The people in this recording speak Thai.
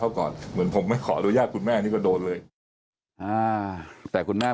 เขาก่อนเหมือนผมไม่ขออนุญาตคุณแม่นี่ก็โดนเลยอ่าแต่คุณแม่